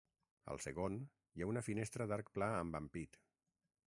Al segon, hi ha una finestra d'arc pla amb ampit.